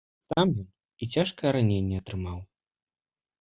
Там ён і цяжкае раненне атрымаў.